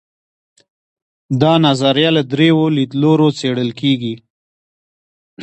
دا نظریه له درېیو لیدلورو څېړل کیږي.